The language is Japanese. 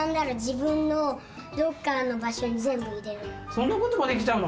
そんなこともできちゃうの？